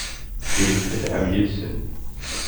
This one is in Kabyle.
Ilit telham yid-sen.